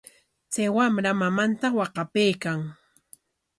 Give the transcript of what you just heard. Chay wamra mamanta waqapaykan.